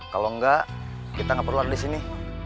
kalau enggak kita nggak perlu ada di sini